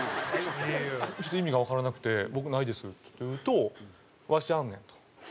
ちょっと意味がわからなくて「僕ないです」って言うと「ワシあんねん」と。